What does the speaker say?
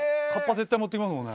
絶対、持っていきますもんね。